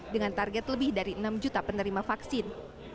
dengan target lebih dari enam juta penerima vaksin